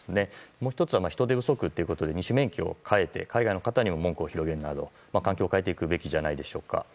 もう１つは人手不足ということで二種免許を変えて海外の人に裾野を広げるなど環境を変えていくべきじゃないでしょうか。